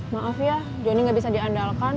maaf ya jonny gak bisa diandalkan